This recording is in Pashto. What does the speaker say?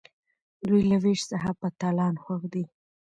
دوی له ویش څخه په تالان خوښ دي.